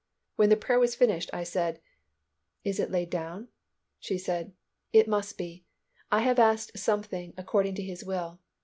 When the prayer was finished, I said, "Is it laid down?" She said, "It must be. I have asked something according to His will.